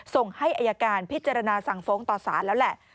ส่งให้ไอรการพิธรณาสังฟงตราศาสตร์แล้วแหละ